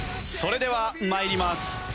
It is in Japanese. それでは参ります。